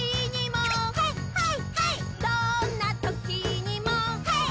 「どんなときにも」「ハイ！